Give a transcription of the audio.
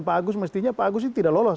pak agus mestinya pak agus ini tidak lolos